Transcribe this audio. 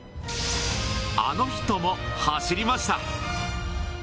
あの人も走りました。